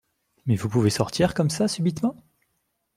mais vous pouvez sortir comme ça, subitement ?